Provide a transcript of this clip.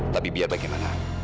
tapi biar bagaimana